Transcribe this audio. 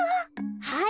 はい。